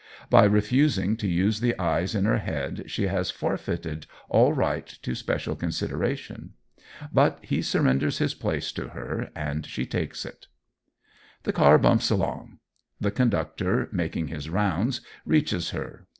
By refusing to use the eyes in her head she has forfeited all right to special consideration. But he surrenders his place to her and she takes it. The car bumps along. The conductor, making his rounds, reaches her.